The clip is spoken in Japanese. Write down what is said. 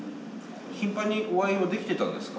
頻繁にお会いはできてたんですか？